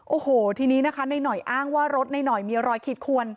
โอ้โหทีนี้นะคะในหน่อยอ้างว่ารถในหน่อยมีรอยขีดขวน